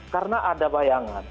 karena ada bayangan